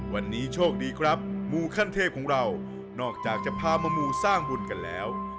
วันนี้โชคดีครับมูขั้นเทพของเรานอกจากจะพามามูสร้างบุญกันแล้ว